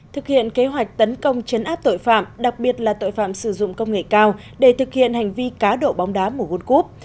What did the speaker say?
thực hiện kế hoạch tấn công chấn áp tội phạm đặc biệt là tội phạm sử dụng công nghệ cao để thực hiện hành vi cá độ bóng đá mùa guân cúp